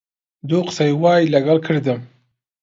دوو قسەی وای لەگەڵ کردم